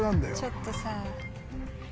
ちょっとさ。